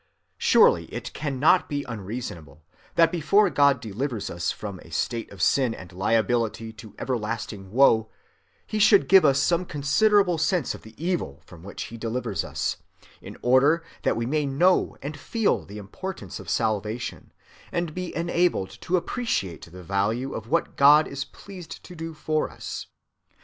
"Surely it cannot be unreasonable," he says, "that before God delivers us from a state of sin and liability to everlasting woe, he should give us some considerable sense of the evil from which he delivers us, in order that we may know and feel the importance of salvation, and be enabled to appreciate the value of what God is pleased to do for us.